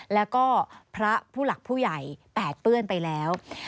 แล้วก็พระผู้หลักผู้ใหญ่แปดเปื้อนไปแล้ว